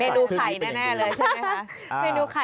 ดูไข่แน่เลยใช่ไหมคะ